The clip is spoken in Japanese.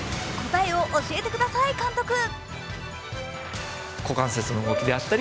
答えを教えてください、監督。